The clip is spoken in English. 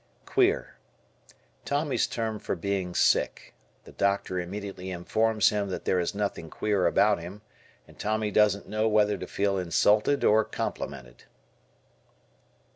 Q "Queer." Tommy's term for being sick. The doctor immediately informs him that there is nothing queer about him, and Tommy doesn't know whether to feel insulted or complimented.